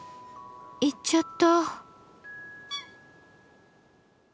行っちゃった。